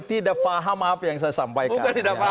tidak paham apa yang saya sampaikan